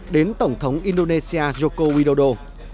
đến tổng thống indonesia joko widodo